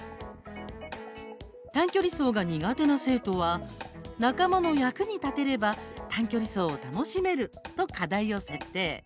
短距離走が苦手な生徒は仲間の役に立てれば短距離走を楽しめると課題を設定。